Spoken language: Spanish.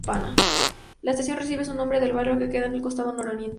La estación recibe su nombre del barrio que queda en el costado nororiental.